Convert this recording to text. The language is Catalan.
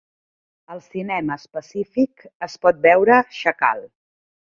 Als cinemes Pacific es pot veure "Xacal"